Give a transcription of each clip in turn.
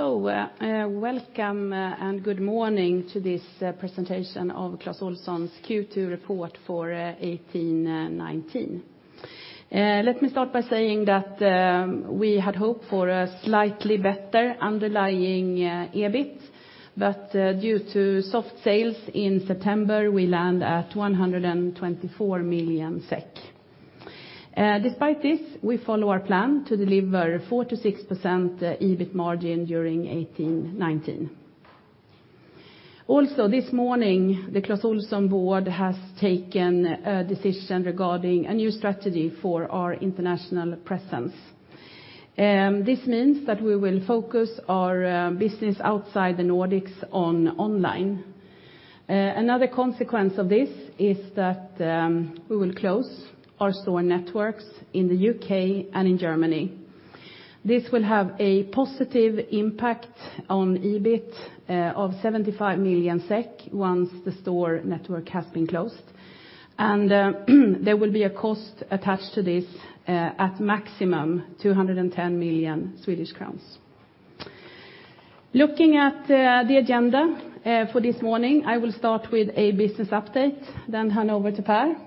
Welcome and good morning to this presentation of Clas Ohlson's Q2 report for 2018/2019. Let me start by saying that we had hoped for a slightly better underlying EBIT, due to soft sales in September, we land at 124 million SEK. Despite this, we follow our plan to deliver 4%-6% EBIT margin during 2018/2019. Also, this morning, the Clas Ohlson board has taken a decision regarding a new strategy for our international presence. This means that we will focus our business outside the Nordics on online. Another consequence of this is that we will close our store networks in the U.K. and in Germany. This will have a positive impact on EBIT of 75 million SEK once the store network has been closed, and there will be a cost attached to this at maximum 210 million Swedish crowns. Looking at the agenda for this morning, I will start with a business update, then hand over to Pär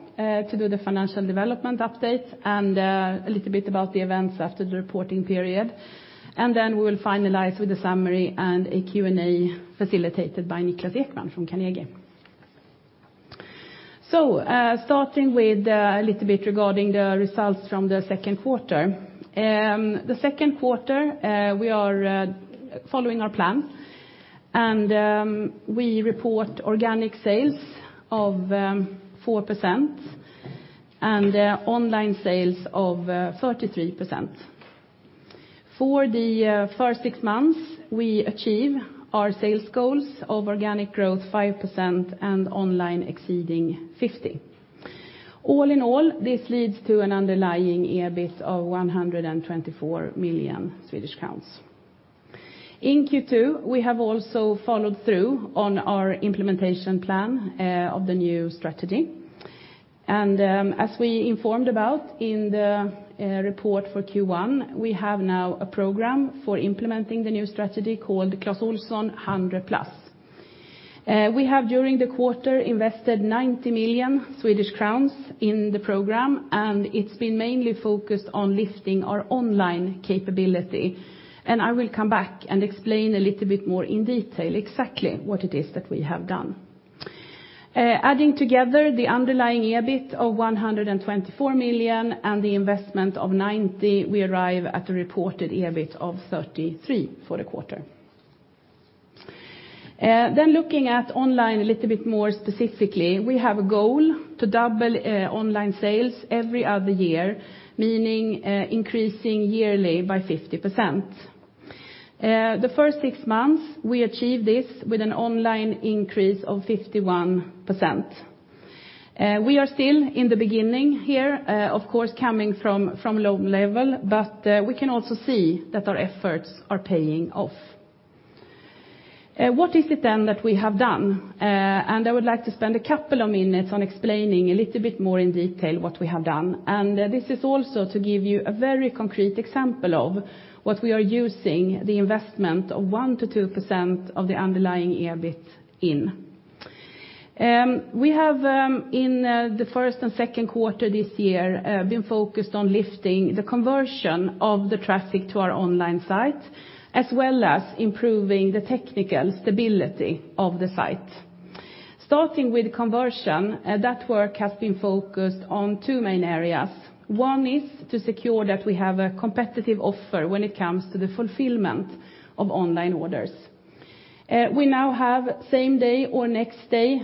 to do the financial development update and a little bit about the events after the reporting period. We will finalize with the summary and a Q&A facilitated by Niklas Ekman from Carnegie. Starting with a little bit regarding the results from the second quarter. The second quarter, we are following our plan, and we report organic sales of 4% and online sales of 33%. For the first six months, we achieve our sales goals of organic growth 5% and online exceeding 50%. All in all, this leads to an underlying EBIT of 124 million Swedish crowns. In Q2, we have also followed through on our implementation plan of the new strategy. As we informed about in the report for Q1, we have now a program for implementing the new strategy called Clas Ohlson 100+. We have during the quarter invested 90 million Swedish crowns in the program, and it's been mainly focused on lifting our online capability, and I will come back and explain a little bit more in detail exactly what it is that we have done. Adding together the underlying EBIT of 124 million and the investment of 90 million, we arrive at a reported EBIT of 33 million for the quarter. Then looking at online a little bit more specifically, we have a goal to double online sales every other year, meaning increasing yearly by 50%. The first six months, we achieved this with an online increase of 51%. We are still in the beginning here, of course coming from low level, but we can also see that our efforts are paying off. What is it then that we have done? I would like to spend a couple of minutes on explaining a little bit more in detail what we have done. This is also to give you a very concrete example of what we are using the investment of 1%-2% of the underlying EBIT in. We have in the first and second quarter this year been focused on lifting the conversion of the traffic to our online site, as well as improving the technical stability of the site. Starting with conversion, that work has been focused on two main areas. One is to secure that we have a competitive offer when it comes to the fulfillment of online orders. We now have same day or next day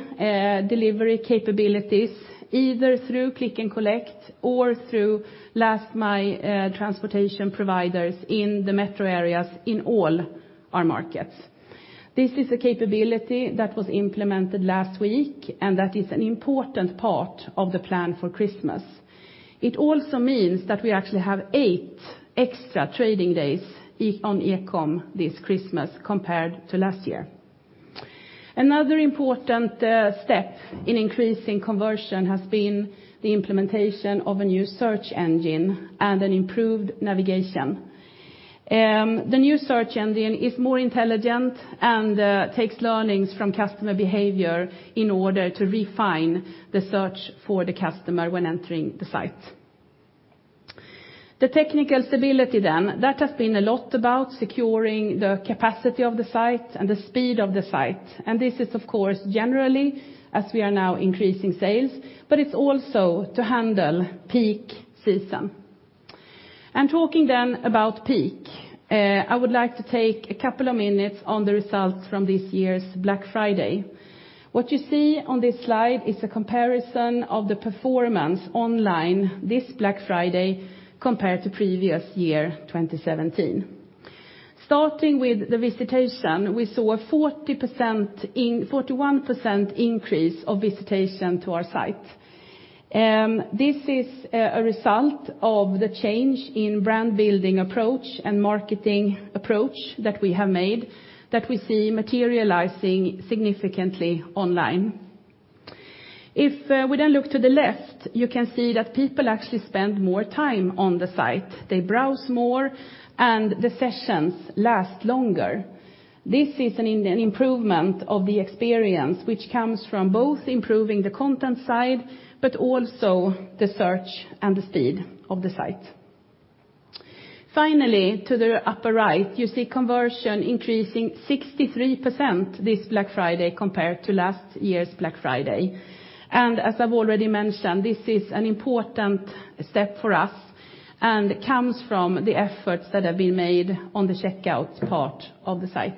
delivery capabilities, either through click and collect or through last mile transportation providers in the metro areas in all our markets. This is a capability that was implemented last week, and that is an important part of the plan for Christmas. It also means that we actually have eight extra trading days on e-com this Christmas compared to last year. Another important step in increasing conversion has been the implementation of a new search engine and an improved navigation. The new search engine is more intelligent and takes learnings from customer behavior in order to refine the search for the customer when entering the site. The technical stability that has been a lot about securing the capacity of the site and the speed of the site. This is, of course, generally as we are now increasing sales, but it's also to handle peak season. Talking about peak, I would like to take a couple of minutes on the results from this year's Black Friday. What you see on this slide is a comparison of the performance online this Black Friday compared to previous year, 2017. Starting with the visitation, we saw a 41% increase of visitation to our site. This is a result of the change in brand building approach and marketing approach that we have made that we see materializing significantly online. If we then look to the left, you can see that people actually spend more time on the site. They browse more, and the sessions last longer. This is an improvement of the experience which comes from both improving the content side, but also the search and the speed of the site. Finally, to the upper right, you see conversion increasing 63% this Black Friday compared to last year's Black Friday. As I've already mentioned, this is an important step for us, and it comes from the efforts that have been made on the checkout part of the site.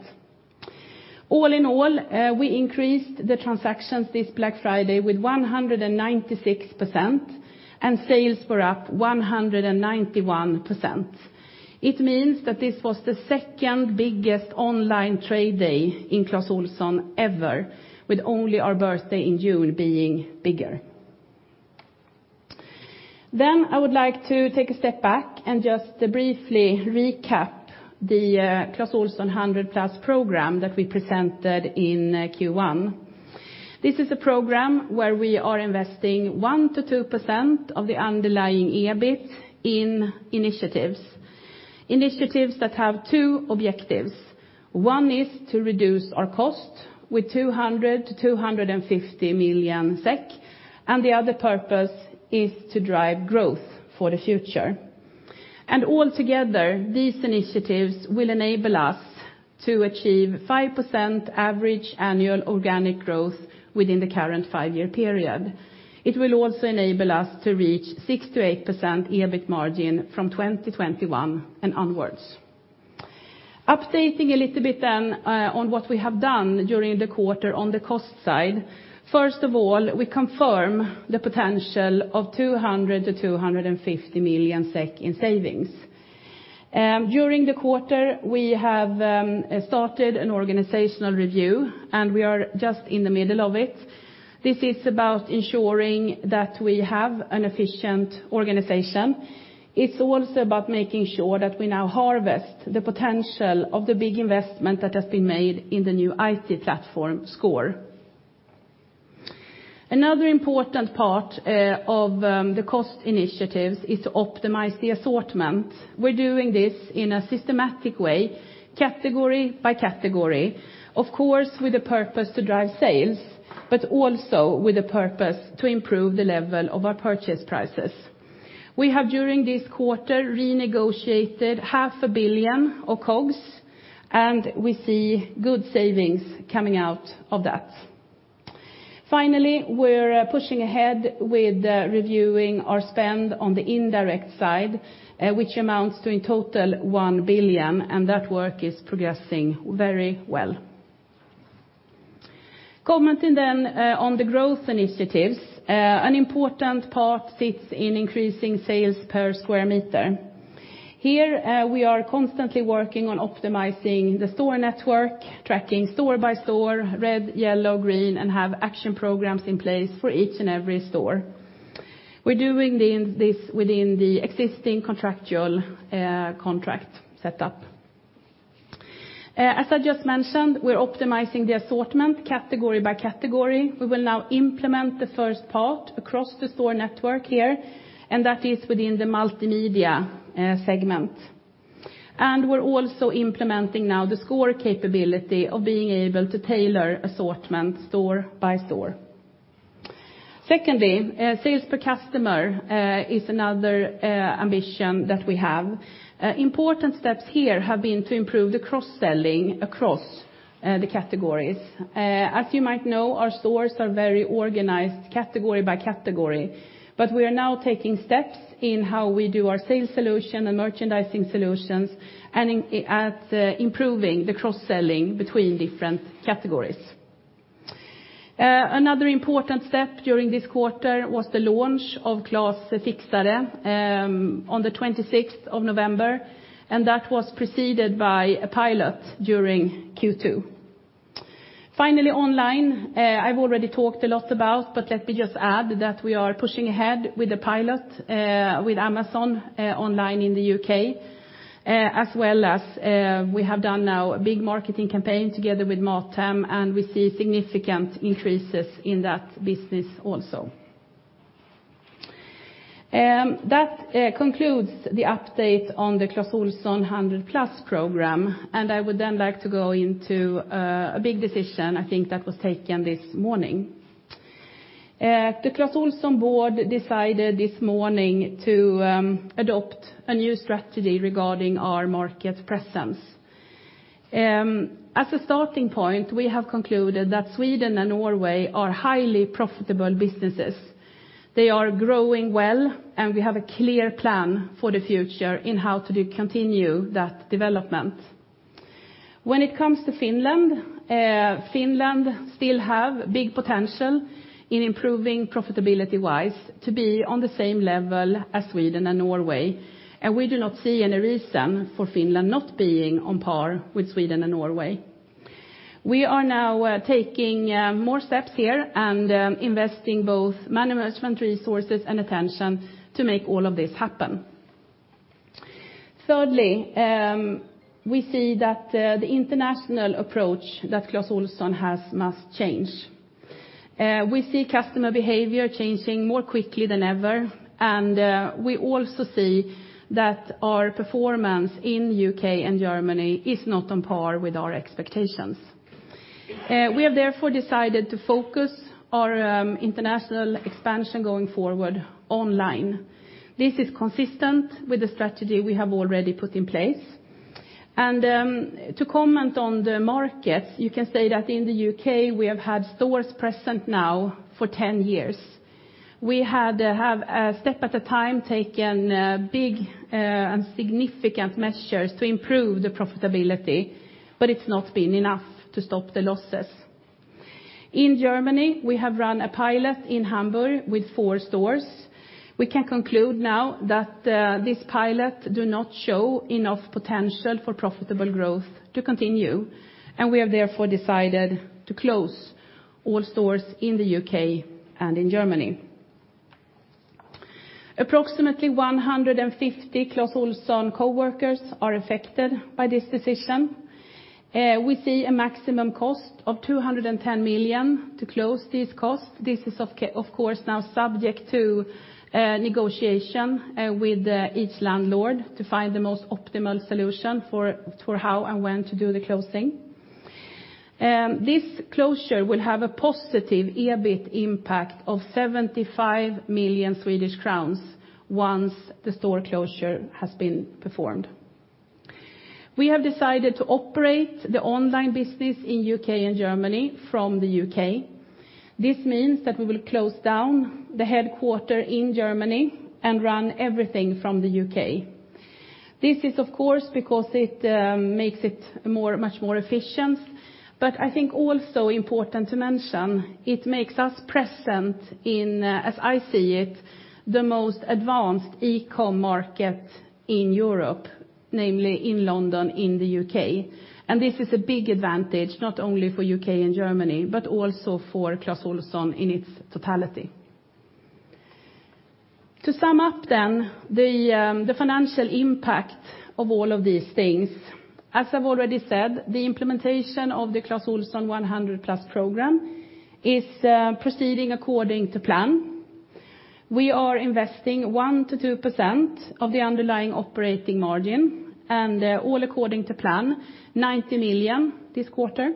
All in all, we increased the transactions this Black Friday with 196%, and sales were up 191%. It means that this was the second biggest online trade day in Clas Ohlson ever, with only our birthday in June being bigger. I would like to take a step back and just briefly recap the Clas Ohlson 100+ program that we presented in Q1. This is a program where we are investing 1%-2% of the underlying EBIT in initiatives that have two objectives. One is to reduce our cost with 200 million-250 million SEK, and the other purpose is to drive growth for the future. All together, these initiatives will enable us to achieve 5% average annual organic growth within the current five-year period. It will also enable us to reach 6%-8% EBIT margin from 2021 and onwards. Updating a little bit, on what we have done during the quarter on the cost side, first of all, we confirm the potential of 200 million-250 million SEK in savings. During the quarter, we have started an organizational review, and we are just in the middle of it. This is about ensuring that we have an efficient organization. It's also about making sure that we now harvest the potential of the big investment that has been made in the new IT platform sCORE. Another important part of the cost initiatives is to optimize the assortment. We're doing this in a systematic way, category by category, of course, with the purpose to drive sales, but also with the purpose to improve the level of our purchase prices. We have during this quarter renegotiated 500 million of COGS. We see good savings coming out of that. Finally, we're pushing ahead with reviewing our spend on the indirect side, which amounts to in total 1 billion. That work is progressing very well. Commenting then, on the growth initiatives, an important part sits in increasing sales per square meter. Here, we are constantly working on optimizing the store network, tracking store by store, red, yellow, green, and have action programs in place for each and every store. We're doing this within the existing contractual contract set up. As I just mentioned, we're optimizing the assortment category by category. We will now implement the first part across the store network here, that is within the Multimedia segment. We're also implementing now the sCORE capability of being able to tailor assortment store by store. Secondly, sales per customer is another ambition that we have. Important steps here have been to improve the cross-selling across the categories. As you might know, our stores are very organized category by category. We are now taking steps in how we do our sales solution and merchandising solutions and in improving the cross-selling between different categories. Another important step during this quarter was the launch of Clas Fixare on the 26th of November, and that was preceded by a pilot during Q2. Online, I've already talked a lot about, but let me just add that we are pushing ahead with the pilot with Amazon online in the U.K., as well as we have done now a big marketing campaign together with MatHem, and we see significant increases in that business also. That concludes the update on the Clas Ohlson 100+ Program. I would then like to go into a big decision I think that was taken this morning. The Clas Ohlson board decided this morning to adopt a new strategy regarding our market presence. As a starting point, we have concluded that Sweden and Norway are highly profitable businesses. They are growing well, and we have a clear plan for the future in how to continue that development. When it comes to Finland still have big potential in improving profitability-wise to be on the same level as Sweden and Norway. We do not see any reason for Finland not being on par with Sweden and Norway. We are now taking more steps here and investing both management resources and attention to make all of this happen. Thirdly, we see that the international approach that Clas Ohlson has must change. We see customer behavior changing more quickly than ever. We also see that our performance in U.K. and Germany is not on par with our expectations. We have therefore decided to focus our international expansion going forward online. This is consistent with the strategy we have already put in place. To comment on the markets, you can say that in the U.K. we have had stores present now for 10 years. We had to have step at a time, taken big and significant measures to improve the profitability, but it's not been enough to stop the losses. In Germany, we have run a pilot in Hamburg with four stores. We can conclude now that this pilot do not show enough potential for profitable growth to continue. We have therefore decided to close all stores in the U.K. and in Germany. Approximately 150 Clas Ohlson coworkers are affected by this decision. We see a maximum cost of 210 million to close these costs. This is of course now subject to negotiation with each landlord to find the most optimal solution for how and when to do the closing. This closure will have a positive EBIT impact of 75 million Swedish crowns once the store closure has been performed. We have decided to operate the online business in U.K. and Germany from the U.K. This means that we will close down the headquarter in Germany and run everything from the U.K. This is of course because it makes it much more efficient. I think also important to mention, it makes us present in, as I see it, the most advanced e-com market in Europe, namely in London, in the U.K. This is a big advantage not only for U.K. and Germany, but also for Clas Ohlson in its totality. To sum up then the financial impact of all of these things, as I've already said, the implementation of the Clas Ohlson 100+ Program is proceeding according to plan. We are investing 1%-2% of the underlying operating margin. All according to plan, 90 million this quarter.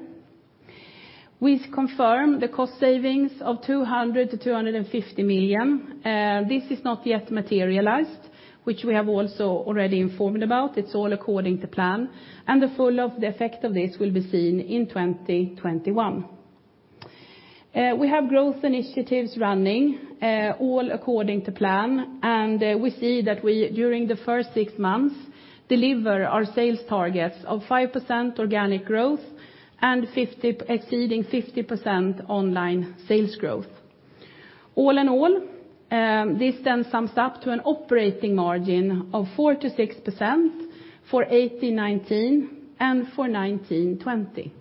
We confirm the cost savings of 200 million-250 million. This is not yet materialized, which we have also already informed about. It's all according to plan, the full of the effect of this will be seen in 2021. We have growth initiatives running, all according to plan. We see that we, during the first six months, deliver our sales targets of 5% organic growth and exceeding 50% online sales growth. All in all, this then sums up to an operating margin of 4%-6% for 2018-2019 and for 2019-2020.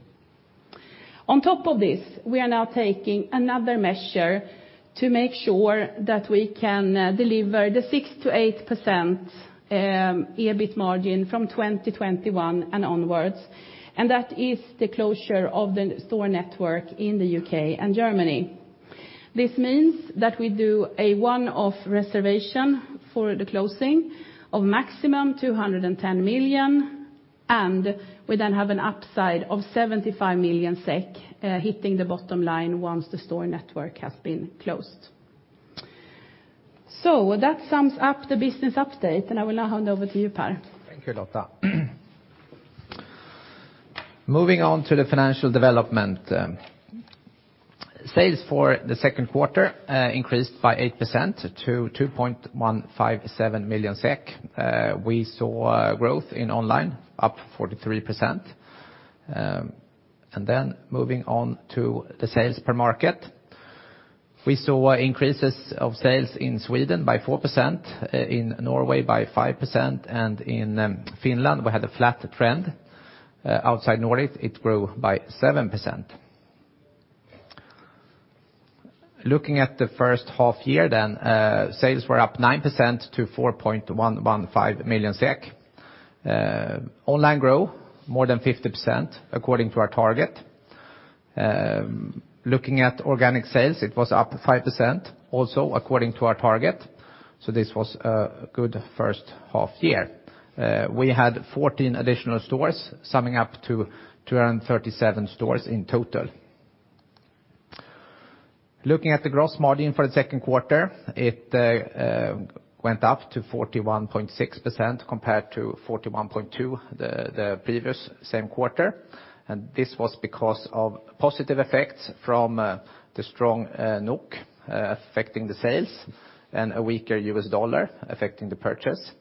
On top of this, we are now taking another measure to make sure that we can deliver the 6%-8% EBIT margin from 2021 and onwards, and that is the closure of the store network in the U.K. and Germany. This means that we do a one-off reservation for the closing of maximum 210 million, and we then have an upside of 75 million SEK hitting the bottom line once the store network has been closed. That sums up the business update, and I will now hand over to you, Pär. Thank you, Lotta. Moving on to the financial development. Sales for the second quarter increased by 8% to 2.157 million SEK. We saw growth in online, up 43%. Moving on to the sales per market. We saw increases of sales in Sweden by 4%, in Norway by 5%, and in Finland, we had a flat trend. Outside Nordic, it grew by 7%. Looking at the first half year, sales were up 9% to 4.115 million SEK. Online grow more than 50% according to our target. Looking at organic sales, it was up 5% also according to our target, this was a good first half year. We had 14 additional stores summing up to 237 stores in total. Looking at the gross margin for the second quarter, it went up to 41.6% compared to 41.2% the previous same quarter. This was because of positive effects from the strong NOK affecting the sales and a weaker U.S. dollar affecting the purchase,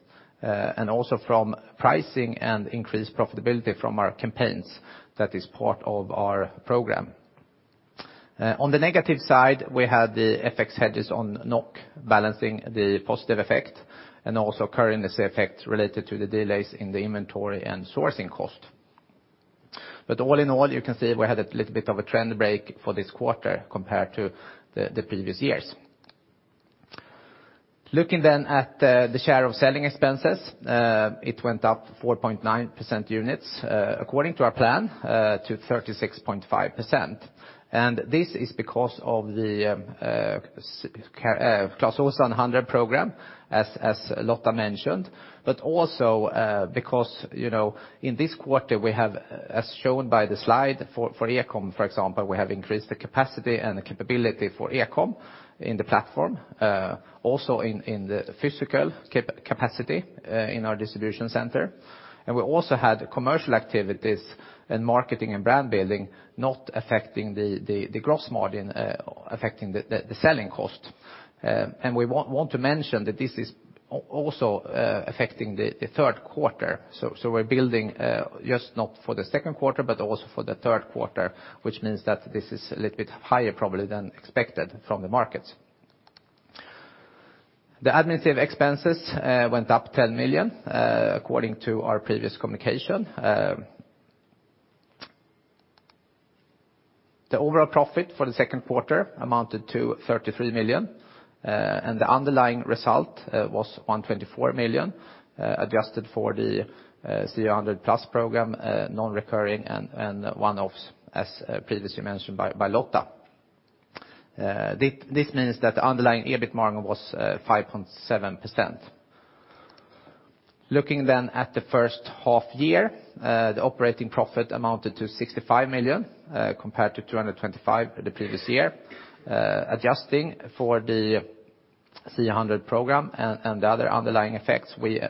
and also from pricing and increased profitability from our campaigns that is part of our program. On the negative side, we had the FX hedges on NOK balancing the positive effect and also currency effects related to the delays in the inventory and sourcing cost. But all in all, you can see we had a little bit of a trend break for this quarter compared to the previous years. Looking at the share of selling expenses, it went up 4.9% units, according to our plan, to 36.5%. This is because of the Clas Ohlson 100 program, as Lotta mentioned. Also, because, you know, in this quarter, we have, as shown by the slide, for e-com, for example, we have increased the capacity and the capability for e-com in the platform, also in the physical capacity in our distribution center. We also had commercial activities in marketing and brand building not affecting the gross margin, affecting the selling cost. We want to mention that this is also affecting the third quarter. We're building, just not for the second quarter, but also for the third quarter, which means that this is a little bit higher probably than expected from the markets. The administrative expenses went up 10 million according to our previous communication. The overall profit for the second quarter amounted to 33 million and the underlying result was 124 million adjusted for the CO100+ program, non-recurring and one-offs as previously mentioned by Lotta. This means that the underlying EBIT margin was 5.7%. Looking then at the first half year, the operating profit amounted to 65 million compared to 225 million the previous year. Adjusting for the CO100 program and the other underlying effects, we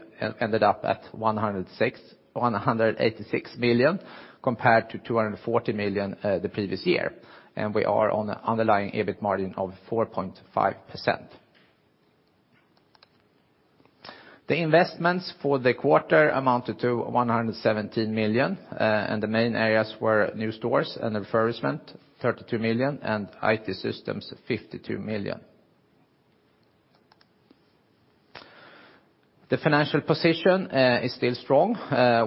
ended up at 186 million compared to 240 million the previous year, and we are on an underlying EBIT margin of 4.5%. The investments for the quarter amounted to 117 million, and the main areas were new stores and refurbishment, 32 million, and IT systems, 52 million. The financial position is still strong.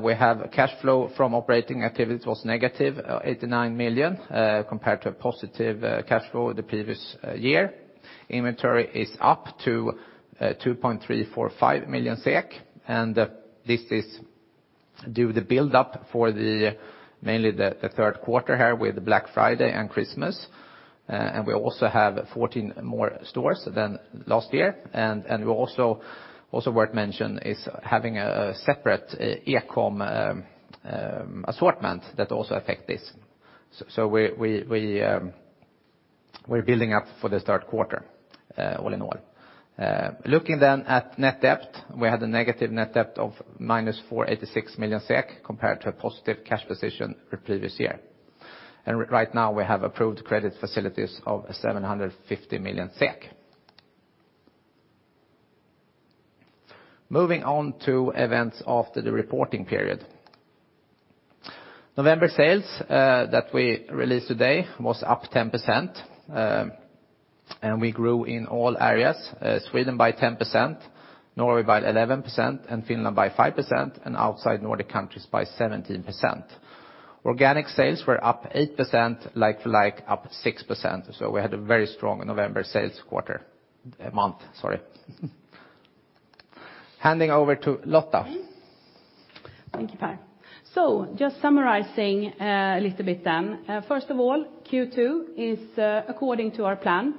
We have cash flow from operating activities was negative, 89 million compared to a positive cash flow the previous year. Inventory is up to 2.345 million SEK, and this is due to build up for the mainly the third quarter here with Black Friday and Christmas. We also have 14 more stores than last year. Also worth mention is having a separate e-com assortment that also affect this. We're building up for this third quarter all in all. Looking at net debt, we had a negative net debt of minus 486 million SEK compared to a positive cash position the previous year. Right now, we have approved credit facilities of 750 million SEK. Moving on to events after the reporting period. November sales that we released today was up 10%. We grew in all areas. Sweden by 10%, Norway by 11%, and Finland by 5%, and outside Nordic countries by 17%. Organic sales were up 8%, like-for-like, up 6%. We had a very strong November sales quarter, month, sorry. Handing over to Lotta. Thank you, Pär. Just summarizing a little bit then. First of all, Q2 is according to our plan,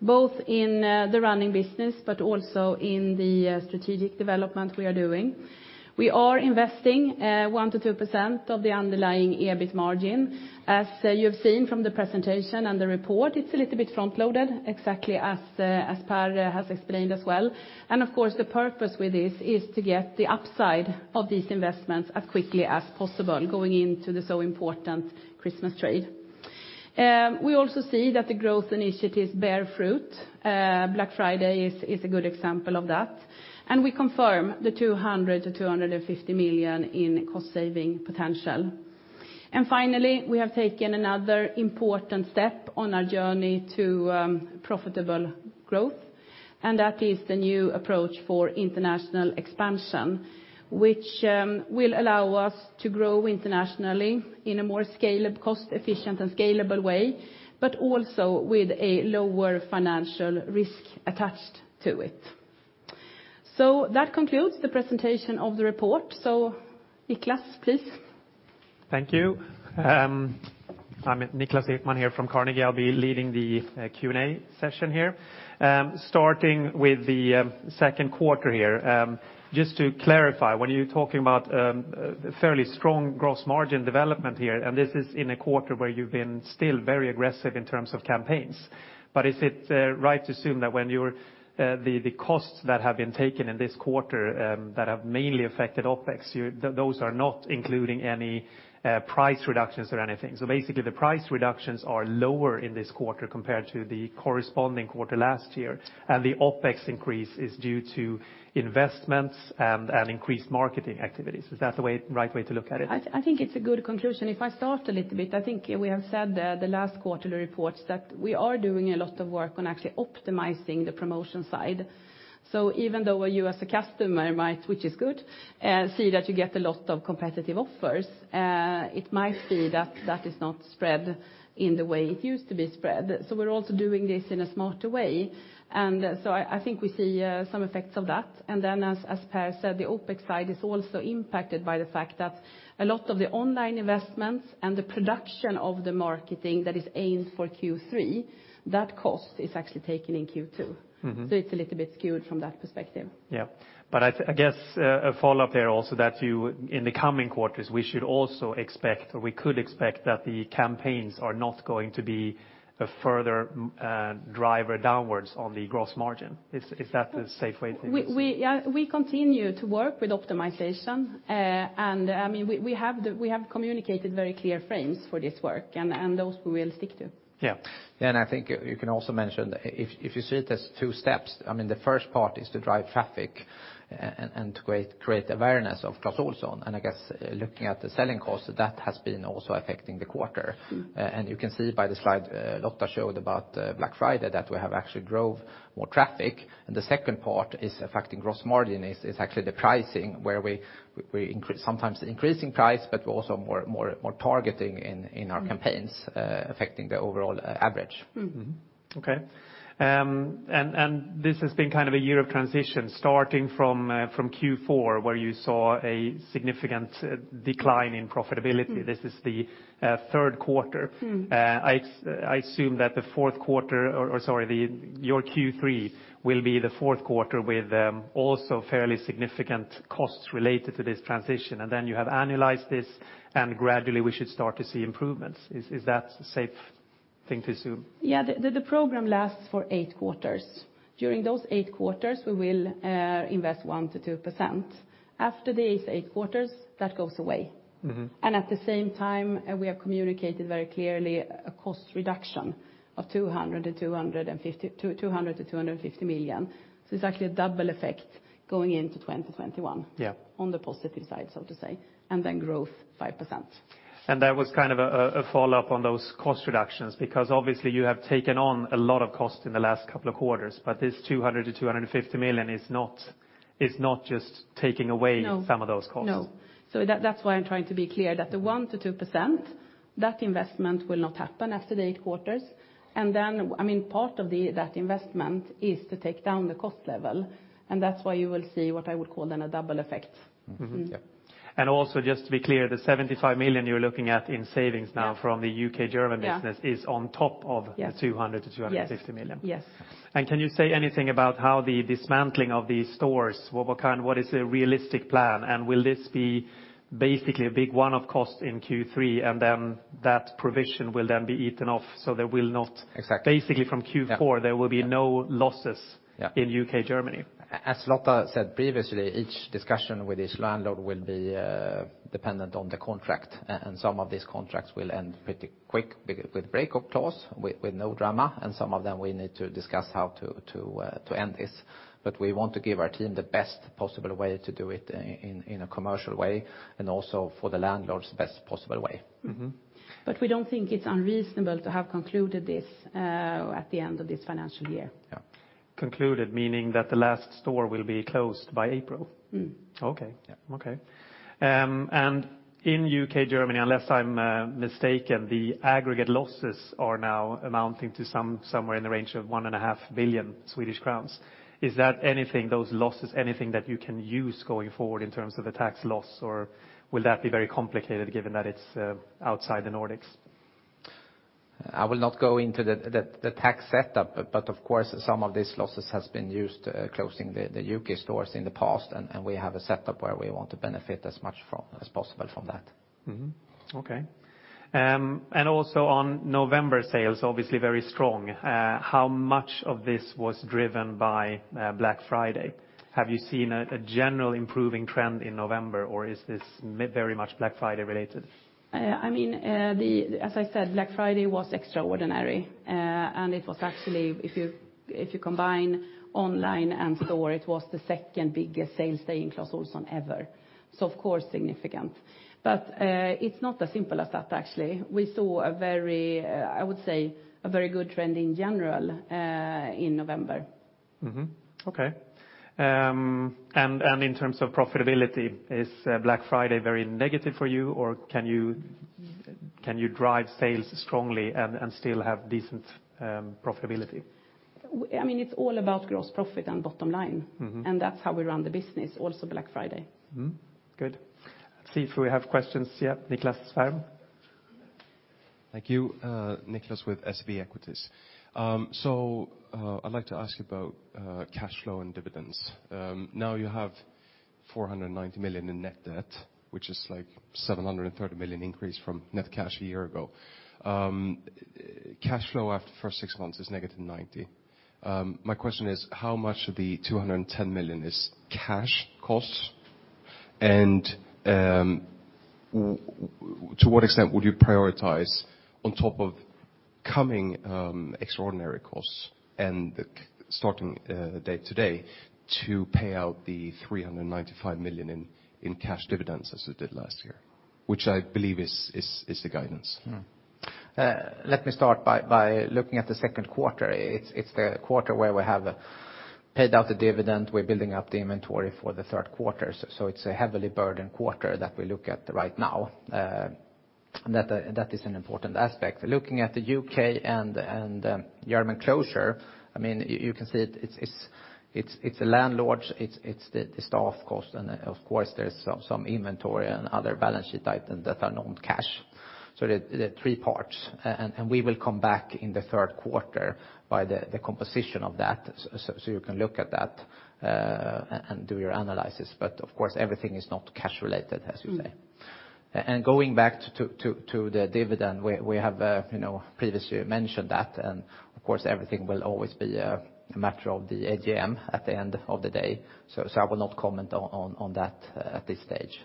both in the running business but also in the strategic development we are doing. We are investing 1%-2% of the underlying EBIT margin. As you have seen from the presentation and the report, it's a little bit front-loaded, exactly as Pär has explained as well. Of course, the purpose with this is to get the upside of these investments as quickly as possible going into the so important Christmas trade. We also see that the growth initiatives bear fruit. Black Friday is a good example of that. We confirm the 200 million-250 million in cost saving potential. Finally, we have taken another important step on our journey to profitable growth, and that is the new approach for international expansion, which will allow us to grow internationally in a more cost-efficient and scalable way, but also with a lower financial risk attached to it. That concludes the presentation of the report. Niklas, please. Thank you. I'm Niklas Ekman here from Carnegie. I'll be leading the Q&A session here. Starting with the second quarter here, just to clarify, when you're talking about fairly strong gross margin development here, this is in a quarter where you've been still very aggressive in terms of campaigns, is it right to assume that when you're the costs that have been taken in this quarter that have mainly affected OpEx, those are not including any price reductions or anything? Basically the price reductions are lower in this quarter compared to the corresponding quarter last year, and the OpEx increase is due to investments and increased marketing activities. Is that the way, right way to look at it? I think it's a good conclusion. If I start a little bit, I think we have said the last quarterly reports that we are doing a lot of work on actually optimizing the promotion side. Even though you as a customer might, which is good, see that you get a lot of competitive offers, it might be that that is not spread in the way it used to be spread. We're also doing this in a smarter way, and so I think we see some effects of that. Then as Pär said, the OpEx side is also impacted by the fact that a lot of the online investments and the production of the marketing that is aimed for Q3, that cost is actually taken in Q2. Mm-hmm. It's a little bit skewed from that perspective. Yeah. I guess, a follow-up there also that you, in the coming quarters, we should also expect, or we could expect that the campaigns are not going to be a further, driver downwards on the gross margin. Is that the safe way to assume? We continue to work with optimization. I mean, we have communicated very clear frames for this work and those we will stick to. Yeah. I think you can also mention if you see it as two steps. I mean, the first part is to drive traffic and to create awareness of Clas Ohlson, and I guess, looking at the selling costs, that has been also affecting the quarter. You can see by the slide Lotta showed about Black Friday that we have actually drove more traffic. The second part is affecting gross margin is actually the pricing where we increase, sometimes increasing price, but we're also more targeting in our campaigns, affecting the overall average. Mm-hmm. Okay. This has been kind of a year of transition starting from Q4, where you saw a significant decline in profitability. Mm. This is the third quarter. Mm. I assume that the fourth quarter or, sorry, the, your Q3 will be the fourth quarter with also fairly significant costs related to this transition, and then you have annualized this, and gradually we should start to see improvements. Is that the safe thing to assume? Yeah, the program lasts for eight quarters. During those eight quarters, we will invest 1%-2%. After these eight quarters, that goes away. Mm-hmm. At the same time, we have communicated very clearly a cost reduction of 200 million-250 million. It's actually a double effect going into 2021. Yeah... on the positive side, so to say, and then growth 5%. That was kind of a follow-up on those cost reductions because obviously you have taken on a lot of costs in the last couple of quarters, but this 200 million-250 million is not just taking away. No... some of those costs. That's why I'm trying to be clear that the 1%-2%, that investment will not happen after the eight quarters. I mean, part of that investment is to take down the cost level. That's why you will see what I would call then a double effect. Mm-hmm. Yeah. also just to be clear, the 75 million you're looking at in savings now- Yeah... from the U.K., German business- Yeah is on top of Yeah the 200 million-250 million. Yes. Yes. Can you say anything about how the dismantling of these stores, what kind, what is a realistic plan? Will this be basically a big one-off cost in Q3 and then that provision will then be eaten off, so there will not. Exactly. Basically from Q4- Yeah. Yeah. there will be no losses. Yeah... in U.K., Germany? As Lotta said previously, each discussion with each landlord will be dependent on the contract and some of these contracts will end pretty quick with breakup clause, with no drama, and some of them we need to discuss how to end this. We want to give our team the best possible way to do it in a commercial way and also for the landlords the best possible way. Mm-hmm. We don't think it's unreasonable to have concluded this at the end of this financial year. Yeah. Concluded meaning that the last store will be closed by April? Mm. Okay. Yeah. In U.K., Germany, unless I'm mistaken, the aggregate losses are now amounting to somewhere in the range of 1.5 billion Swedish crowns. Is that anything, those losses, anything that you can use going forward in terms of the tax loss, or will that be very complicated given that it's outside the Nordics? I will not go into the tax setup, of course, some of these losses has been used, closing the U.K. stores in the past and we have a setup where we want to benefit as much from, as possible from that. Okay. Also on November sales, obviously very strong, how much of this was driven by Black Friday? Have you seen a general improving trend in November, or is this very much Black Friday related? I mean, as I said, Black Friday was extraordinary. It was actually, if you, if you combine online and store, it was the second-biggest sales day in Clas Ohlson ever, so of course significant. It's not as simple as that, actually. We saw a very, I would say, a very good trend in general, in November. Okay. In terms of profitability, is Black Friday very negative for you, or can you drive sales strongly and still have decent profitability? I mean, it's all about gross profit and bottom line. Mm-hmm. That's how we run the business, also Black Friday. Mm-hmm. Good. Let's see if we have questions. Yeah, Nicklas Fhärm. Thank you. Nicklas with SEB Equities. I'd like to ask about cash flow and dividends. Now you have 490 million in net debt, which is, like, 730 million increase from net cash a year ago. Cash flow after first six months is negative 90 million. My question is, how much of the 210 million is cash costs? To what extent would you prioritize, on top of coming extraordinary costs and the starting date today, to pay out the 395 million in cash dividends as it did last year? Which I believe is the guidance. Mm-hmm. Let me start by looking at the second quarter. It's the quarter where we have paid out the dividend. We're building up the inventory for the third quarter. It's a heavily burdened quarter that we look at right now. That is an important aspect. Looking at the U.K. and German closure, I mean, you can see it's the landlords, it's the staff cost and, of course, there's some inventory and other balance sheet items that are non-cash. The three parts. We will come back in the third quarter by the composition of that, so you can look at that and do your analysis. Of course, everything is not cash related, as you say. Mm-hmm. Going back to the dividend, we have, you know, previously mentioned that, and of course, everything will always be a matter of the AGM at the end of the day, so I will not comment on that at this stage.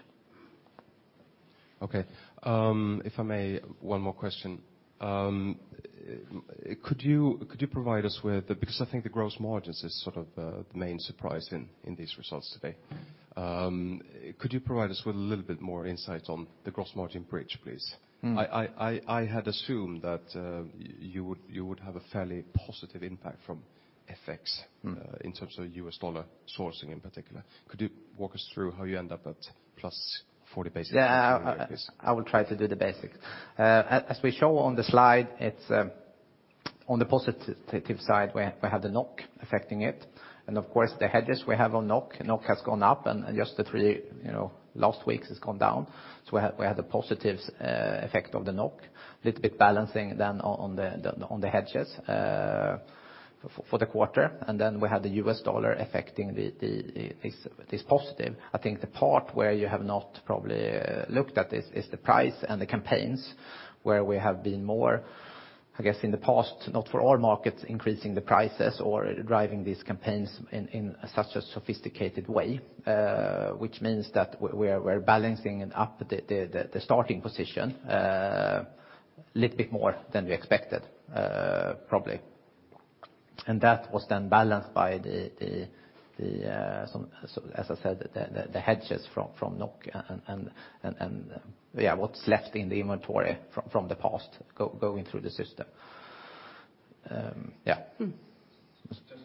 Okay. If I may, one more question. Could you provide us with... Because I think the gross margins is sort of, the main surprise in these results today. Could you provide us with a little bit more insight on the gross margin bridge, please? Mm-hmm. I had assumed that you would have a fairly positive impact from FX. Mm-hmm... in terms of U.S. dollar sourcing in particular. Could you walk us through how you end up at plus 40 basis points? I will try to do the basics. As we show on the slide, it's on the positive side, we had the NOK affecting it, and of course, the hedges we have on NOK. NOK has gone up, and just the three, you know, last weeks has gone down. We had the positive effect of the NOK. Little bit balancing then on the hedges for the quarter, and then we had the U.S. dollar affecting the this positive. I think the part where you have not probably looked at is the price and the campaigns where we have been more, I guess, in the past, not for all markets, increasing the prices or driving these campaigns in such a sophisticated way, which means that we're balancing up the starting position a little bit more than we expected, probably. That was then balanced by the, some, as I said, the hedges from NOK and, what's left in the inventory from the past going through the system. Mm-hmm. Just to ask,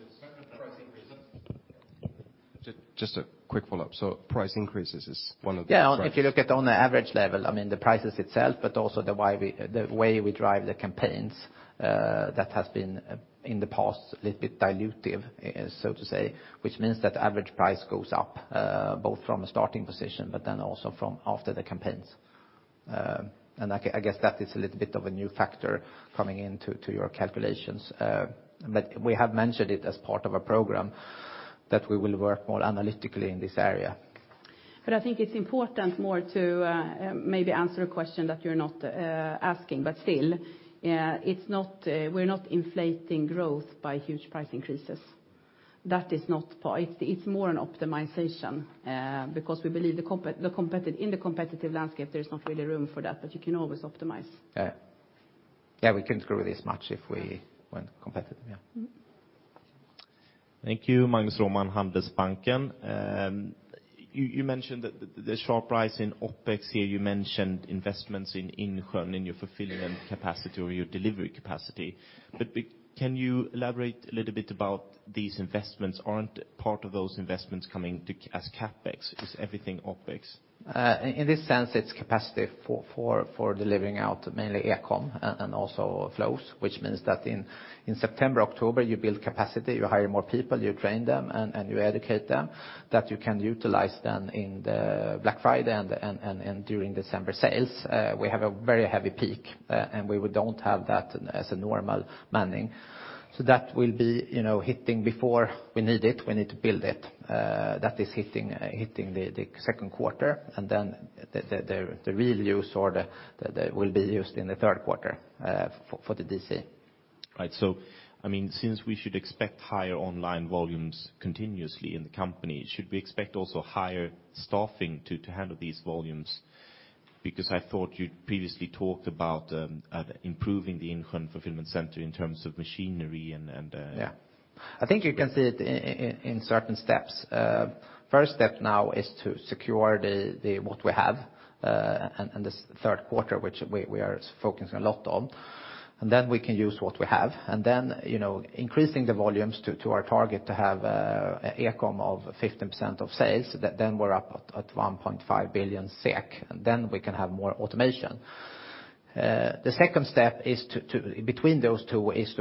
it's price increases? Just a quick follow-up. price increases is one of the- Yeah. If you look at on the average level, I mean, the prices itself, but also the why we, the way we drive the campaigns, that has been, in the past, a little bit dilutive, so to say, which means that average price goes up, both from a starting position, but then also from after the campaigns. I guess that is a little bit of a new factor coming into, to your calculations. We have mentioned it as part of a program that we will work more analytically in this area. I think it's important more to maybe answer a question that you're not asking, but still, it's not, we're not inflating growth by huge price increases. That is not. It's more an optimization because we believe in the competitive landscape, there's not really room for that, but you can always optimize. Yeah. Yeah, we couldn't grow this much if we weren't competitive. Yeah. Mm-hmm. Thank you. Magnus Råman, Handelsbanken. you mentioned that the sharp rise in OpEx here, you mentioned investments in Insjön, in your fulfillment capacity or your delivery capacity. Can you elaborate a little bit about these investments? Aren't part of those investments coming as CapEx? Is everything OpEx? In this sense, it's capacity for delivering out mainly e-com and also flows, which means that in September, October, you build capacity, you hire more people, you train them, and you educate them, that you can utilize then in the Black Friday and during December sales. We have a very heavy peak, and we don't have that as a normal manning. That will be, you know, hitting before we need it, we need to build it. That is hitting the second quarter, and then the real use or the will be used in the third quarter for the DC. I mean, since we should expect higher online volumes continuously in the company, should we expect also higher staffing to handle these volumes? I thought you'd previously talked about improving the Insjön fulfillment center in terms of machinery. Yeah. I think you can see it in certain steps. First step now is to secure the what we have, and this third quarter, which we are focusing a lot on. We can use what we have. You know, increasing the volumes to our target to have e-com of 15% of sales, then we're up at 1.5 billion SEK, we can have more automation. The second step is to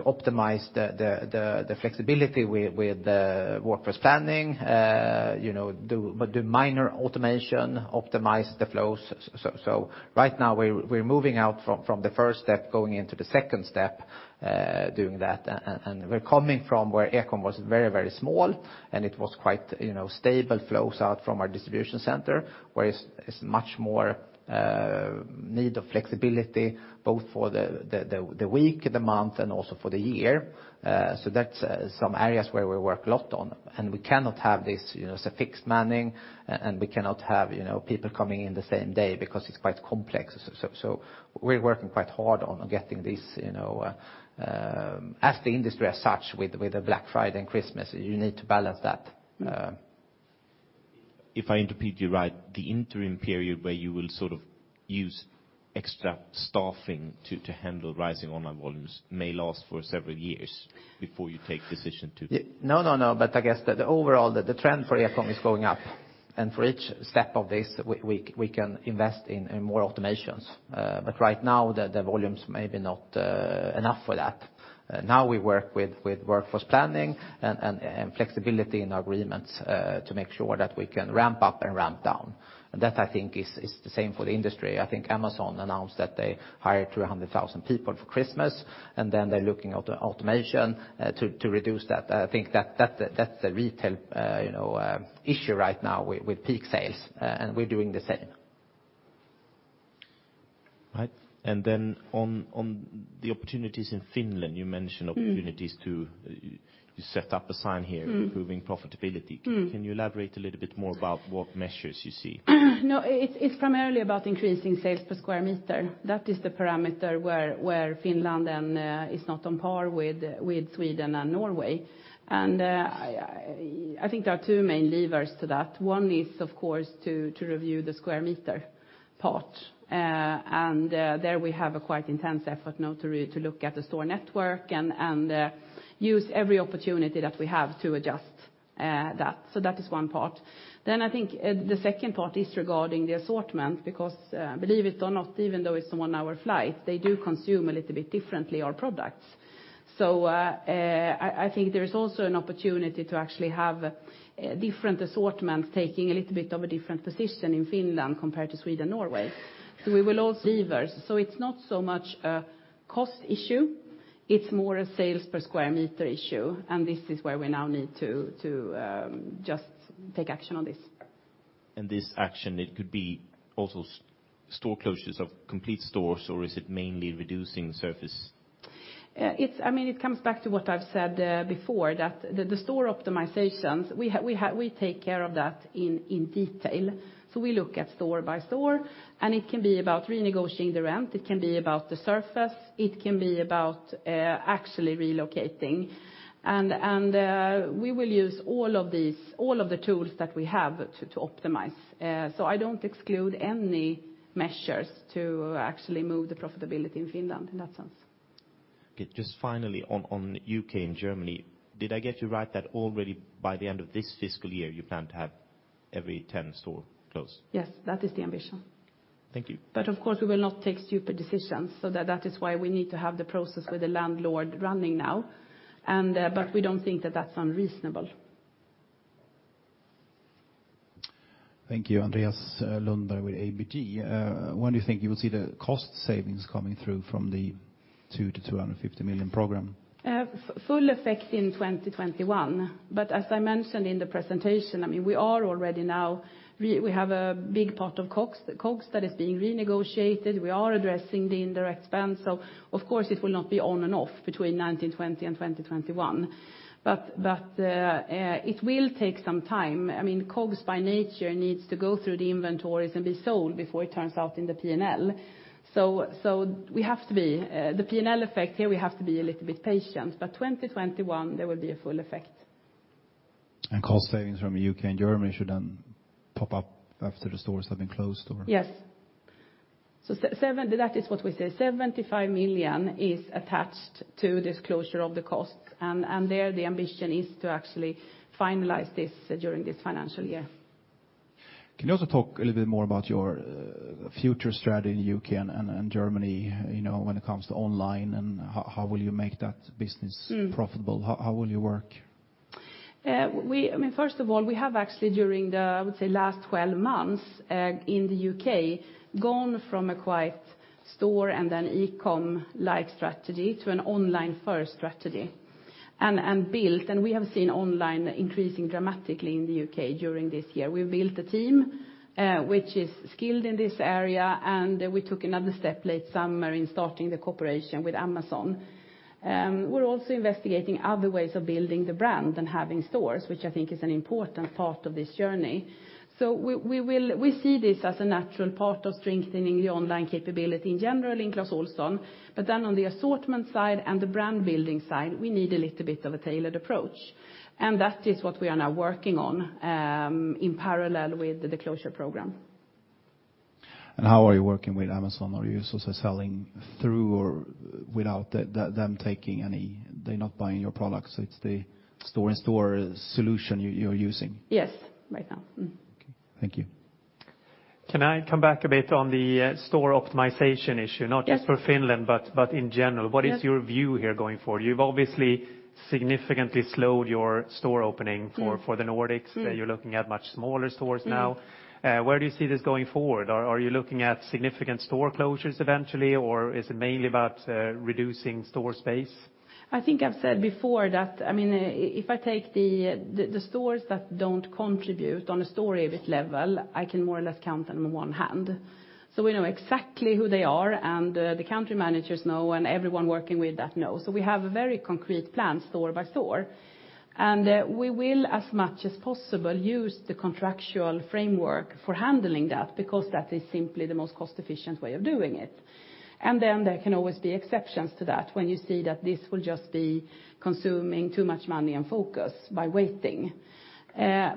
optimize the flexibility with the workforce planning, you know, do minor automation, optimize the flows. Right now we're moving out from the first step, going into the second step, doing that. We're coming from where e-com was very small, and it was quite, you know, stable flows out from our distribution center, where it's much more need of flexibility both for the week, the month, and also for the year. That's some areas where we work a lot on. We cannot have this, you know, as a fixed manning, and we cannot have, you know, people coming in the same day because it's quite complex. We're working quite hard on getting this, you know, as the industry as such with the Black Friday and Christmas, you need to balance that. If I interpret you right, the interim period where you will sort of use extra staffing to handle rising online volumes may last for several years before you take decision to... No, no. I guess the overall trend for e-com is going up. For each step of this, we can invest in more automations. Right now, the volumes may be not enough for that. Now we work with workforce planning and flexibility in our agreements to make sure that we can ramp up and ramp down. That, I think, is the same for the industry. I think Amazon announced that they hired 300,000 people for Christmas, and then they're looking at automation to reduce that. I think that's a retail, you know, issue right now with peak sales, and we're doing the same. Right. Then on the opportunities in Finland, you mentioned- Mm. opportunities to set up a sign here. Mm. improving profitability. Mm. Can you elaborate a little bit more about what measures you see? It's primarily about increasing sales per square meter. That is the parameter where Finland is not on par with Sweden and Norway. I think there are two main levers to that. One is, of course, to review the square meter part. There we have a quite intense effort now to look at the store network and use every opportunity that we have to adjust that. That is one part. I think the second part is regarding the assortment because, believe it or not, even though it's a one-hour flight, they do consume a little bit differently our products. I think there is also an opportunity to actually have different assortments taking a little bit of a different position in Finland compared to Sweden, Norway. We will also levers. It's not so much a cost issue, it's more a sales per square meter issue, and this is where we now need to just take action on this. This action, it could be also store closures of complete stores, or is it mainly reducing surface? I mean, it comes back to what I've said, before, that the store optimizations, we take care of that in detail. We look at store by store, and it can be about renegotiating the rent, it can be about the surface, it can be about, actually relocating. We will use all of the tools that we have to optimize. I don't exclude any measures to actually move the profitability in Finland in that sense. Okay. Just finally, on U.K. and Germany, did I get you right that already by the end of this fiscal year you plan to have every 10 store closed? Yes. That is the ambition. Thank you. Of course, we will not take stupid decisions, so that is why we need to have the process with the landlord running now. We don't think that that's unreasonable. Thank you. Andreas Lundberg with ABG. When do you think you will see the cost savings coming through from the 200 million-250 million program? Full effect in 2021. As I mentioned in the presentation, I mean, we are already now we have a big part of COGS that is being renegotiated. We are addressing the indirect spend. Of course, it will not be on and off between 2019, 2020, and 2021. It will take some time. I mean, COGS by nature needs to go through the inventories and be sold before it turns out in the P&L. We have to be the P&L effect here, we have to be a little bit patient, 2021, there will be a full effect. Cost savings from U.K. and Germany should then pop up after the stores have been closed, or? That is what we say. 75 million is attached to this closure of the costs, and there the ambition is to actually finalize this during this financial year. Can you also talk a little bit more about your future strategy in U.K. and Germany, you know, when it comes to online and how will you make that business- Mm. profitable? How will you work? I mean, first of all, we have actually during the, I would say last 12 months, in the U.K., gone from a quite store and an e-com light strategy to an online first strategy, and built, we have seen online increasing dramatically in the U.K. during this year. We've built a team, which is skilled in this area, and we took another step late summer in starting the cooperation with Amazon. We're also investigating other ways of building the brand than having stores, which I think is an important part of this journey. We see this as a natural part of strengthening the online capability in general in Clas Ohlson. On the assortment side and the brand building side, we need a little bit of a tailored approach. That is what we are now working on, in parallel with the closure program. How are you working with Amazon? Are you also selling through or without them taking any they're not buying your products, it's the store-in-store solution you're using? Yes, right now. Mm. Okay. Thank you. Can I come back a bit on the store optimization issue? Yes. Not just for Finland, but in general. Yes. What is your view here going forward? You've obviously significantly slowed your store opening- Mm. for the Nordics. Mm. You're looking at much smaller stores now. Mm-hmm. Where do you see this going forward? Are you looking at significant store closures eventually or is it mainly about reducing store space? I think I've said before that, I mean, if I take the stores that don't contribute on a store EBIT level, I can more or less count them on one hand. We know exactly who they are and the country managers know and everyone working with that knows. We have a very concrete plan store by store. We will as much as possible use the contractual framework for handling that because that is simply the most cost-efficient way of doing it. There can always be exceptions to that when you see that this will just be consuming too much money and focus by waiting. I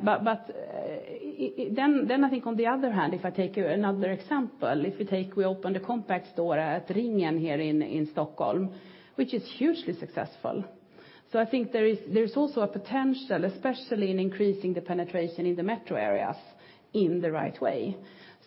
think on the other hand, if I take another example, we opened a compact store at Ringen here in Stockholm, which is hugely successful. I think there is also a potential, especially in increasing the penetration in the metro areas in the right way.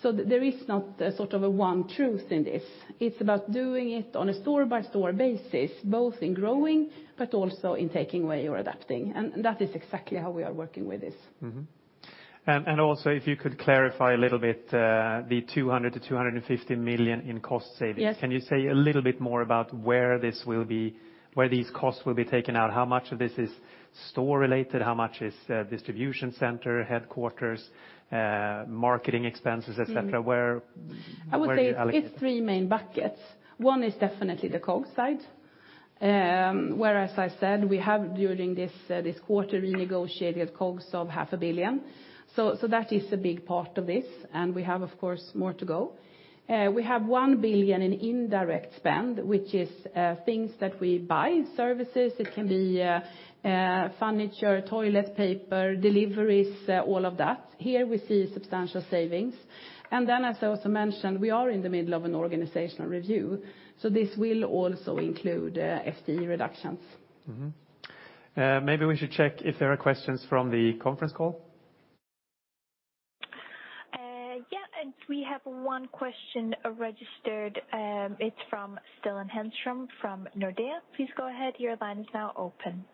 There is not a sort of a one truth in this. It's about doing it on a store-by-store basis, both in growing but also in taking away or adapting. That is exactly how we are working with this. Mm-hmm. also if you could clarify a little bit, the 200 million-250 million in cost savings. Yes. Can you say a little bit more about where these costs will be taken out? How much of this is store related? How much is, distribution center, headquarters, marketing expenses, et cetera? Mm. Where do you allocate? I would say it's three main buckets. One is definitely the COGS side, where as I said, we have during this quarter renegotiated COGS of 500 million. That is a big part of this. We have of course more to go. We have 1 billion in indirect spend, which is things that we buy, services, it can be furniture, toilet paper, deliveries, all of that. Here we see substantial savings. As I also mentioned, we are in the middle of an organizational review. This will also include FTE reductions. Maybe we should check if there are questions from the conference call. We have one question registered. It's from Stian Enstrøm from Nordea. Please go ahead. Your line is now open.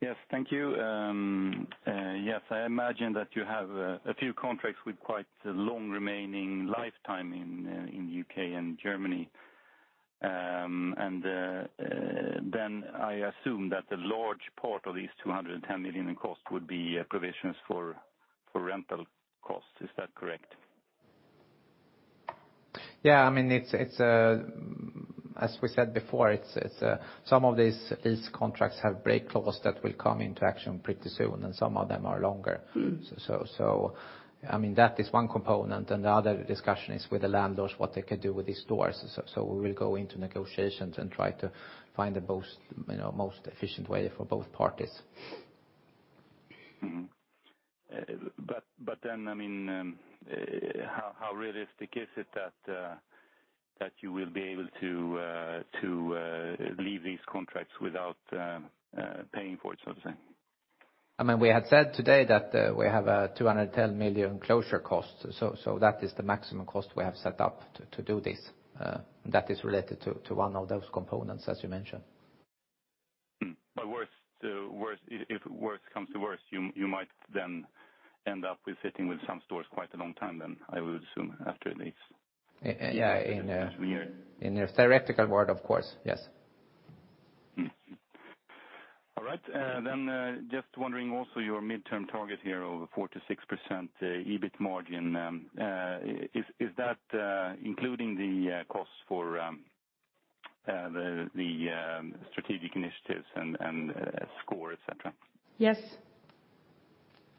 Yes. Thank you. yes, I imagine that you have a few contracts with quite long remaining lifetime in U.K. and Germany. I assume that a large part of these 210 million in cost would be provisions for rental costs. Is that correct? Yeah, I mean, it's as we said before, it's some of these contracts have break clause that will come into action pretty soon. Some of them are longer. Mm-hmm. I mean, that is one component. The other discussion is with the landlords, what they can do with these stores. We will go into negotiations and try to find the most, you know, efficient way for both parties. I mean, how realistic is it that you will be able to leave these contracts without paying for it, so to say? I mean, we have said today that we have 210 million closure costs. That is the maximum cost we have set up to do this, that is related to one of those components as you mentioned. Worse to worse, if worse comes to worse, you might then end up with sitting with some stores quite a long time then, I would assume after this. Yeah. In a theoretical world, of course, yes. All right. Just wondering also your midterm target here of 4%-6% EBIT margin. Is that including the costs for the strategic initiatives and sCORE, et cetera? Yes.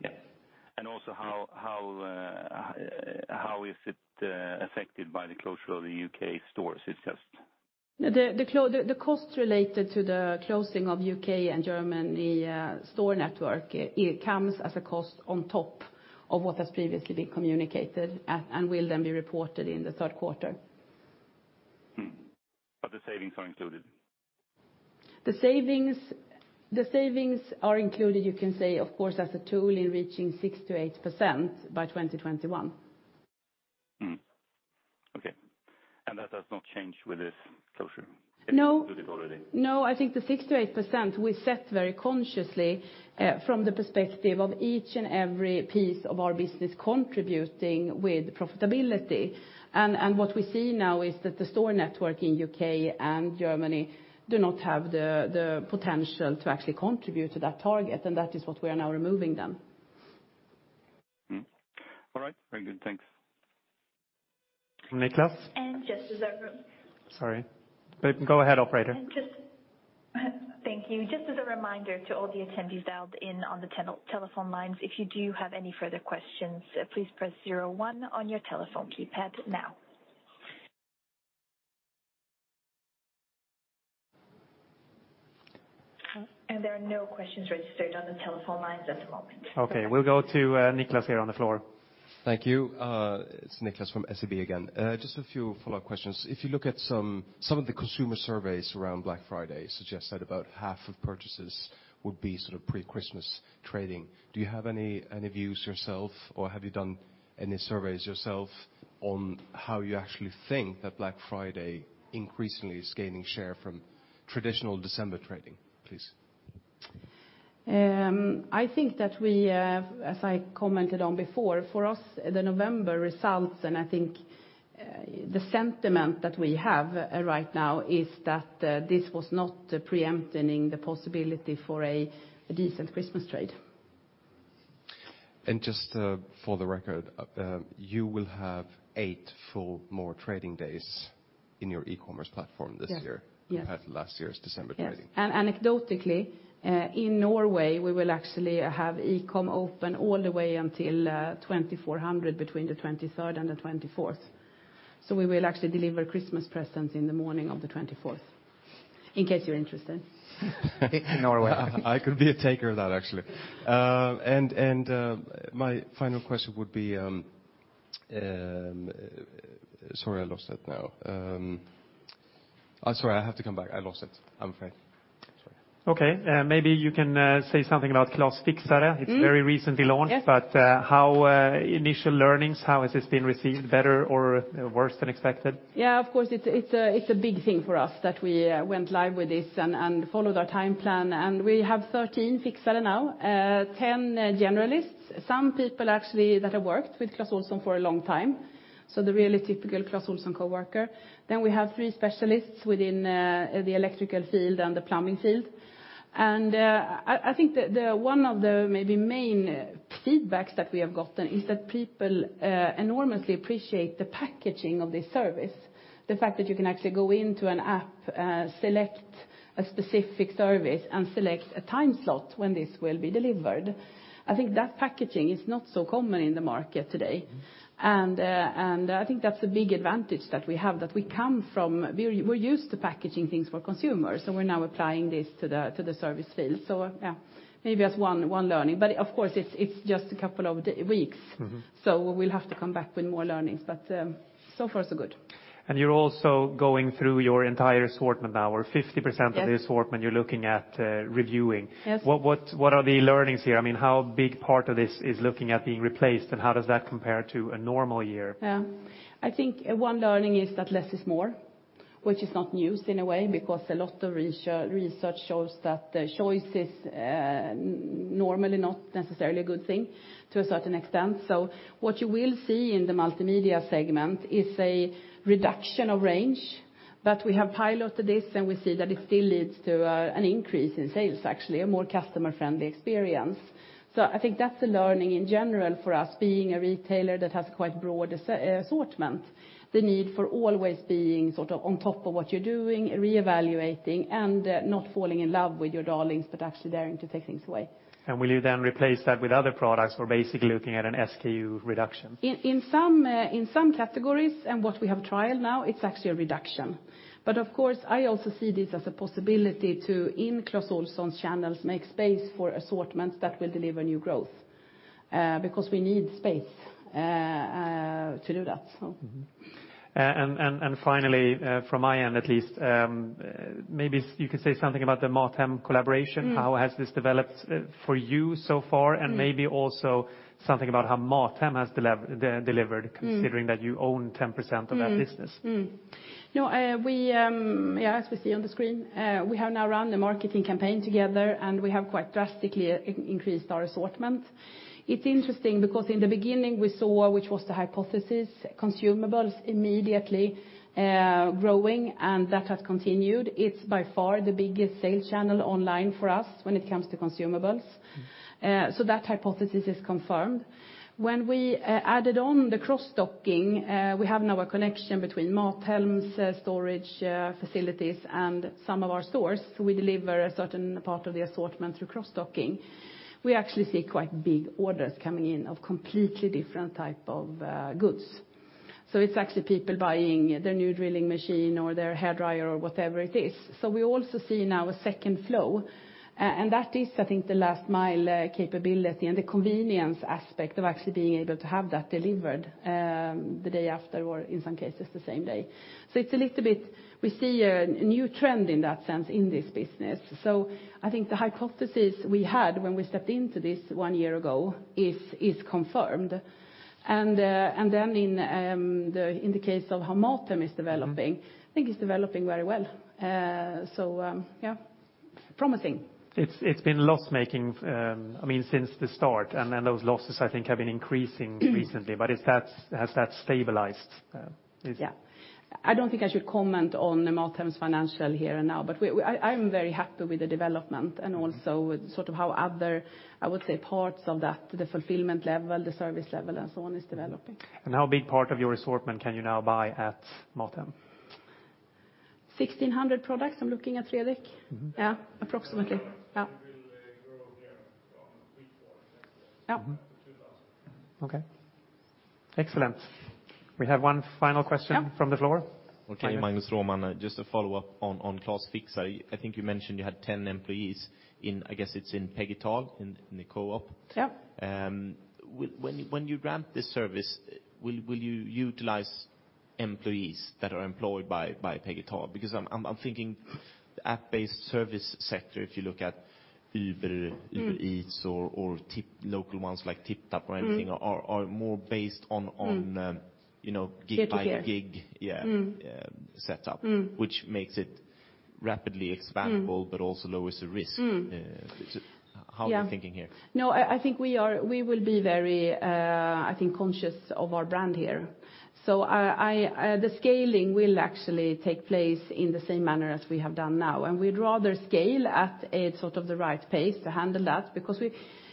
Yes. Also how is it affected by the closure of the U.K. stores itself? The cost related to the closing of U.K. and Germany, store network, it comes as a cost on top of what has previously been communicated at and will then be reported in the third quarter. The savings are included? The savings are included, you can say, of course, as a tool in reaching 6%-8% by 2021. Okay. That does not change with this closure? No. It's included already. No. I think the 6%-8% we set very consciously, from the perspective of each and every piece of our business contributing with profitability. What we see now is that the store network in U.K. and Germany do not have the potential to actually contribute to that target. That is what we are now removing then. All right. Very good. Thanks. Niklas? And just as a- Sorry. Go ahead, operator. Thank you. Just as a reminder to all the attendees dialed in on the telephone lines, if you do have any further questions, please press zero one on your telephone keypad now. There are no questions registered on the telephone lines at the moment. Okay, we'll go to Nicklas here on the floor. Thank you. It's Nicklas from SEB again. Just a few follow-up questions. If you look at some of the consumer surveys around Black Friday suggest that about half of purchases would be sort of pre-Christmas trading. Do you have any views yourself, or have you done any surveys yourself on how you actually think that Black Friday increasingly is gaining share from traditional December trading, please? I think that we, as I commented on before, for us, the November results, and I think, the sentiment that we have, right now is that, this was not preempting the possibility for a decent Christmas trade. Just, for the record, you will have eight full more trading days in your e-commerce platform this year. Yes. Yes than you had last year's December trading. Yes. Anecdotally, in Norway, we will actually have e-com open all the way until 24:00 between the 23rd and the 24th. We will actually deliver Christmas presents in the morning of the 24th, in case you're interested. In Norway. I could be a taker of that actually. My final question would be... Sorry, I lost that now. I'm sorry, I have to come back. I lost it, I'm afraid. Sorry. Okay. Maybe you can say something about Clas Fixare. Mm. It's very recently launched. Yes. How initial learnings, how has this been received? Better or worse than expected? Yeah, of course, it's a, it's a big thing for us that we went live with this and followed our time plan. We have 13 Fixare now, 10 generalists. Some people actually that have worked with Clas Ohlson for a long time, so the really typical Clas Ohlson coworker. We have three specialists within the electrical field and the plumbing field. I think the one of the maybe main feedbacks that we have gotten is that people enormously appreciate the packaging of this service. The fact that you can actually go into an app, select a specific service, and select a time slot when this will be delivered, I think that packaging is not so common in the market today. I think that's a big advantage that we have, that we come from... We're used to packaging things for consumers, and we're now applying this to the service field. Yeah, maybe that's one learning. Of course, it's just a couple of weeks. Mm-hmm. We'll have to come back with more learnings. So far so good. You're also going through your entire assortment now, or 50%- Yes ...of the assortment you're looking at, reviewing. Yes. What are the learnings here? I mean, how big part of this is looking at being replaced, and how does that compare to a normal year? I think one learning is that less is more, which is not news in a way because a lot of research shows that the choices normally not necessarily a good thing to a certain extent. What you will see in the multimedia segment is a reduction of range, but we have piloted this, and we see that it still leads to an increase in sales, actually, a more customer-friendly experience. I think that's a learning in general for us, being a retailer that has quite broad assortment, the need for always being sort of on top of what you're doing, reevaluating, and not falling in love with your darlings, but actually daring to take things away. Will you then replace that with other products, or basically looking at an SKU reduction? In some categories, what we have trialed now, it's actually a reduction. Of course, I also see this as a possibility to, in Clas Ohlson's channels, make space for assortments that will deliver new growth, because we need space to do that, so. Mm-hmm. Finally, from my end at least, maybe you could say something about the MatHem collaboration. Mm. How has this developed for you so far? Mm. Maybe also something about how MatHem has delivered. Mm ...considering that you own 10% of that business. No, Yeah, as we see on the screen, we have now run the marketing campaign together. We have quite drastically increased our assortment. It's interesting because in the beginning we saw, which was the hypothesis, consumables immediately growing. That has continued. It's by far the biggest sales channel online for us when it comes to consumables. That hypothesis is confirmed. When we added on the cross-docking, we have now a connection between MatHem's storage facilities and some of our stores. We deliver a certain part of the assortment through cross-docking. We actually see quite big orders coming in of completely different type of goods. It's actually people buying their new drilling machine or their hairdryer or whatever it is. We also see now a second flow, and that is, I think, the last mile capability and the convenience aspect of actually being able to have that delivered the day after, or in some cases, the same day. It's a little bit. We see a new trend in that sense in this business. I think the hypothesis we had when we stepped into this one year ago is confirmed. Then in the case of how MatHem is developing. Mm-hmm ...I think it's developing very well. Yeah, promising. It's been loss-making, I mean, since the start, and then those losses I think have been increasing recently. Has that stabilized? I don't think I should comment on MatHem's financial here and now, but we. I'm very happy with the development and also with sort of how other, I would say, parts of that, the fulfillment level, the service level and so on, is developing. How big part of your assortment can you now buy at MatHem? 1,600 products. I'm looking at Fredrik. Mm-hmm. Yeah. Approximately. Yeah. Yeah. Okay. Excellent. We have one final question. Yeah. from the floor. Okay, Magnus. Mm. How are you thinking here? I think we will be very, I think conscious of our brand here. I, the scaling will actually take place in the same manner as we have done now, and we'd rather scale at a sort of the right pace to handle that because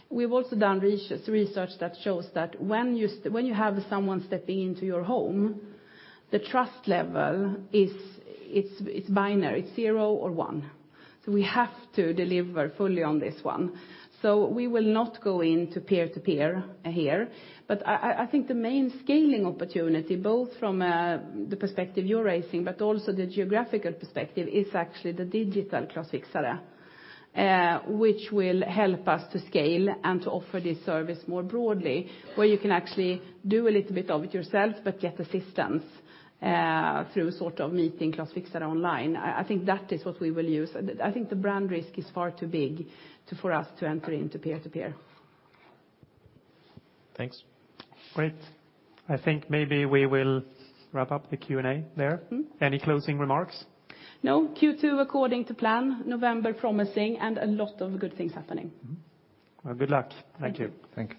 we've also done research that shows that when you have someone stepping into your home, the trust level is, it's binary, it's zero or one. We have to deliver fully on this one. We will not go into peer-to-peer here. I think the main scaling opportunity, both from the perspective you're raising but also the geographical perspective, is actually the digital Clas Fixare, which will help us to scale and to offer this service more broadly, where you can actually do a little bit of it yourself but get assistance through sort of meeting Clas Fixare online. I think that is what we will use. I think the brand risk is far too big for us to enter into peer-to-peer. Thanks. Great. I think maybe we will wrap up the Q&A there. Mm. Any closing remarks? No. Q2 according to plan, November promising, and a lot of good things happening. Mm-hmm. Well, good luck. Thank you. Thank you. Thank you.